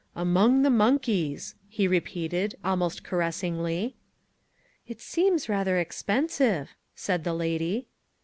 "Among the Monkeys," he repeated, almost caressingly. "It seems rather expensive," said the lady.